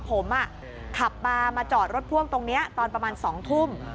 ผมขับมามาจอดรถพ่วงตรงนี้ตอนประมาณ๒ทุ่ม